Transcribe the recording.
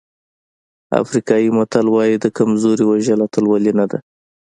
افریقایي متل وایي د کمزوري وژل اتلولي نه ده.